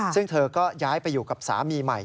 ซึ่งเธอก็ย้ายไปอยู่กับสามีใหม่